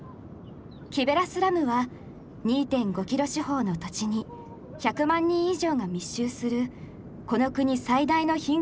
キベラスラムは２．５キロ四方の土地に１００万人以上が密集するこの国最大の貧困地区です。